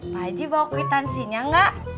pak ji bawa kuitansinya enggak